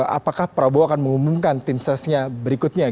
apakah prabowo akan mengumumkan tim sesnya berikutnya